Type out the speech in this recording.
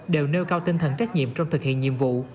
đều nêu cao tinh thần trách nhiệm trong thực hiện nhiệm vụ